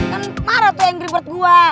kan marah tuh angry bird gua